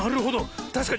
たしかに。